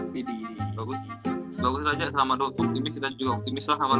bagus lah jah sama lu optimis dan juga optimis lah sama lu